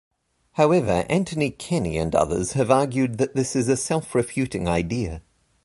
However Anthony Kenny and others have argued that this is a self-refuting idea.